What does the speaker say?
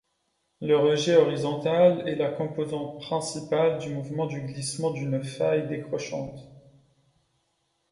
Le rejet horizontal est la composante principale du mouvement du glissement d'une faille décrochante.